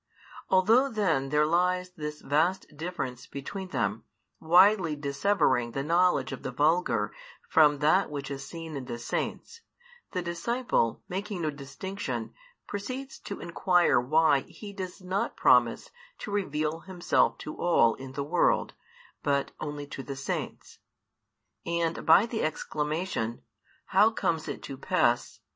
Although then there lies this vast difference between them, widely dissevering the knowledge of the vulgar from that which is seen in the Saints, the disciple, making no distinction, proceeds to inquire why He does not promise to reveal Himself to all in the world, but only to the Saints. And by the exclamation, How comes it to pass?